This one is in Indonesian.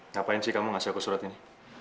ngapain sih kamu ngasih aku surat ini